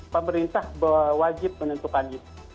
pemerintah wajib menentukan itu